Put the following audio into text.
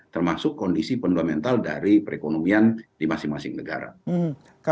termasuk kondisi fundamental dari perekonomian di masing masing negara